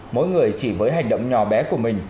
mỗi người chỉ với hành động nhỏ bé của mình